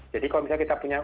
jadi kalau misalnya kita punya